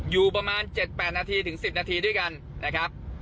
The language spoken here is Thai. อยู่ประมาณ๗๘นาทีถึง๑๐นาทีด้วยกันนะครับ